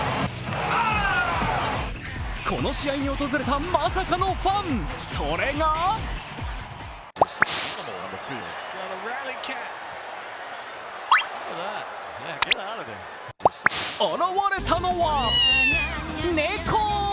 この試合に訪れたまさかのファン、それが現れたのは、猫。